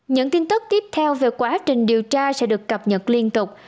những tin tức tiếp theo về quá trình điều tra sẽ được cập nhật liên tục